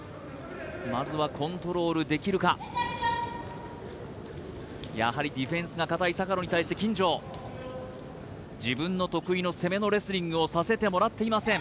まずはコントロールできるかやはりディフェンスが堅い坂野に対して金城自分の得意の攻めのレスリングをさせてもらっていません